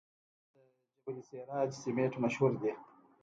د جبل السراج سمنټ مشهور دي